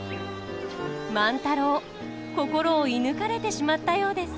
万太郎心を射ぬかれてしまったようです。